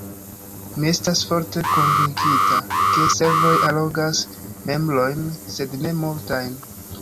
Mi estas forte konvinkita, ke servoj allogas membrojn, sed ne multajn.